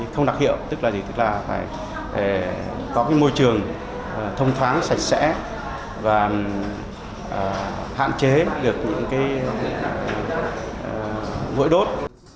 không đặc hiệu tức là phải có môi trường thông thoáng sạch sẽ và hạn chế được những vội đốt